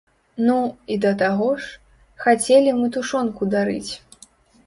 Ну і, да таго ж, хацелі мы тушонку дарыць.